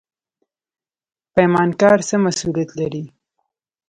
پیمانکار څه مسوولیت لري؟